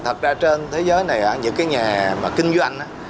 thật ra trên thế giới này những nhà kinh doanh